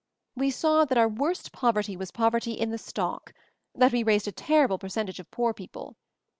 We saw that our worst poverty was poverty in the stock — that we raised a terrible percentage of poor people.